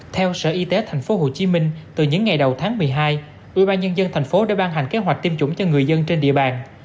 theo sở y tế tp hcm từ những ngày đầu tháng một mươi hai ubnd tp đã ban hành kế hoạch tiêm chủng cho người dân trên địa bàn